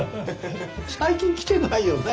最近来てないよね。